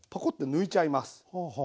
抜いちゃいます。